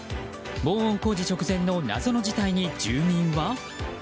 防音工事直前の謎の事態に住民は。